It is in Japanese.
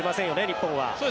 日本は。